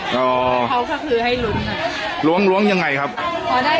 อ๋อเขากระพื้นให้ลุ้มล้วงล้วงยังไงครับพอได้